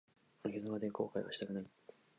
生き様で後悔はしたくない。